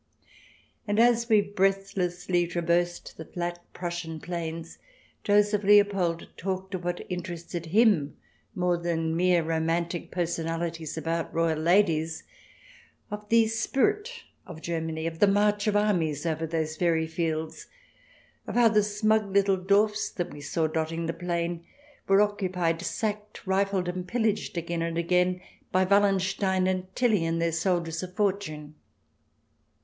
And as we breathlessly traversed the flat Prussian plains, Joseph Leopold talked of what interested him more than mere romantic personalities about royal ladies ; of the spirit of Germany, of the march of armies over those very fields, of how the smug little Dorfs that we saw dotting the plain were occupied, sacked, rifled and pillaged, again and again, by Wallenstein and Tilly, and their soldiers of fortune.